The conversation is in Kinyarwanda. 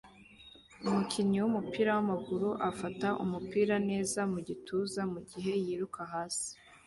Umukinnyi wumupira wamaguru afata umupira neza mugituza mugihe yiruka hasi